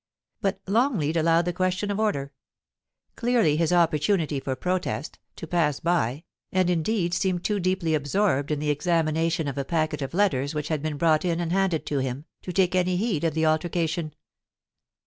But Longleat allowed the question of order — clearly his opportunity for protest — to pass by, and indeed seemed too deeply absorbed in the examination of a packet of letters which had been brought in and handed to him, to take any heed of the altercation.